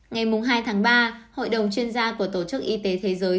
ngày hai tháng ba hội đồng chuyên gia của tổ chức y tế thế giới